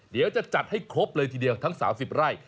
เดี๋ยวจะจัดให้ครบเลยทีเดียวทั้ง๓๐ไร่